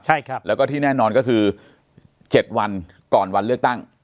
ใช่ครับแล้วก็ที่แน่นอนก็คือ๗วันก่อนวันเลือกตั้ง